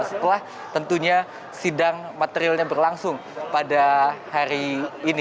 setelah tentunya sidang materialnya berlangsung pada hari ini